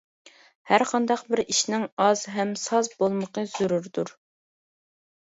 ھەرقانداق بىر ئىشنىڭ ئاز ھەم ساز بولمىقى زۆرۈردۇر!